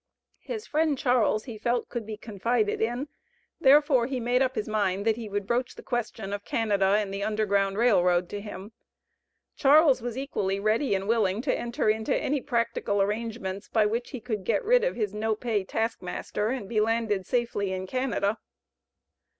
His friend Charles he felt could be confided in, therefore he made up his mind, that he would broach the question of Canada and the Underground Rail Road to him. Charles was equally ready and willing to enter into any practical arrangements by which he could get rid of his no pay task master, and be landed safely in Canada.